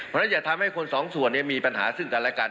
เพราะฉะนั้นอย่าทำให้คนสองส่วนมีปัญหาซึ่งกันและกัน